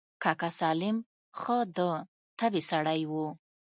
کاکا سالم ښه د طبعې سړى و.